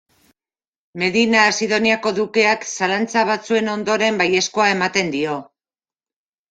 Medina Sidoniako Dukeak zalantza batzuen ondoren baiezkoa ematen dio.